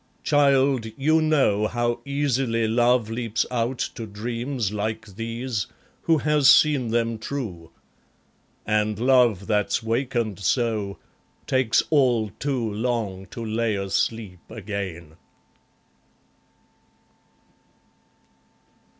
Child, you know How easily love leaps out to dreams like these, Who has seen them true. And love that's wakened so Takes all too long to lay asleep again.